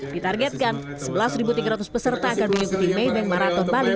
ditargetkan sebelas tiga ratus peserta akan menyukui maybank marathon bali dua ribu dua puluh